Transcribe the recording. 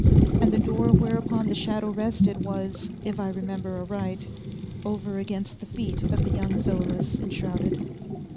And the door whereupon the shadow rested was, if I remember aright, over against the feet of the young Zoilus enshrouded.